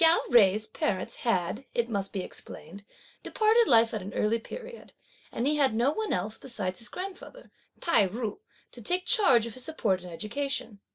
Chia Jui's parents had, it must be explained, departed life at an early period, and he had no one else, besides his grandfather Tai ju, to take charge of his support and education.